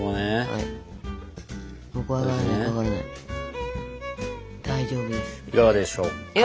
いかがでしょうか？